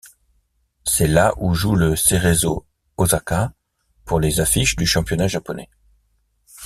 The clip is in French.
C'est là où joue le Cerezo Ōsaka pour les affiches du championnat japonais.